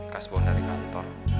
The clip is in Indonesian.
kasboh dari kantor